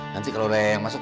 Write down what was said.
nanti kalau ada yang masuk